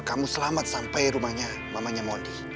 kamu selamat sampai rumahnya mamanya mondi